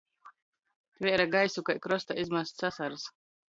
Tvēre gaisu kai krostā izmasts asars.